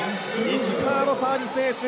石川のサービスエース。